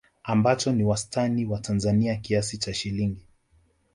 ambacho ni wastani wa Tanzania kiasi cha shilingi